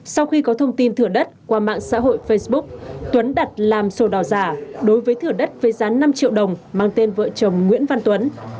sau khi có thông tin thửa đất qua mạng xã hội facebook tuấn đặt làm sổ đỏ giả đối với thửa đất với giá năm triệu đồng mang tên vợ chồng nguyễn văn tuấn